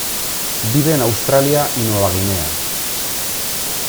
Vive en Australia y Nueva Guinea.